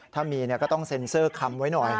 ถ้ามีก็ต้องเซ็นเซอร์คำไว้หน่อย